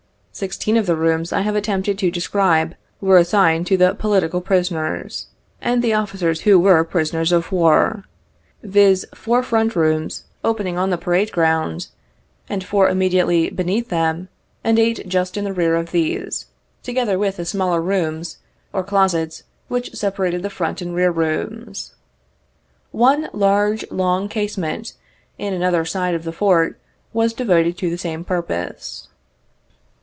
Sixteen of the rooms I have attempted to describe, were assigned to the "political prisoners," and the officers who Avere prisoners of war, viz. : four front rooms opening on the parade ground, and four immediately beneath them, and eight just in the rear of these, together with the smaller rooms or closets wdiich separated the front and rear rooms. One large, long casemate, in another side of the Fort, was devoted to the same purpose.